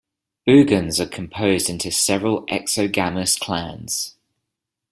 Buguns are composed into several exogamous clans.